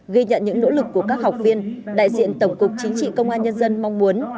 ghi nhận những nỗ lực của các học viên đại diện tổng cục chính trị công an nhân dân mong muốn